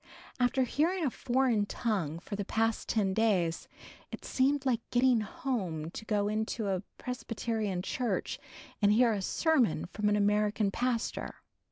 After hearing a foreign tongue for the past ten days, it seemed like getting home to go into a Presbyterian church and hear a sermon from an American pastor.